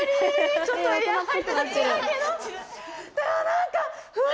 何か。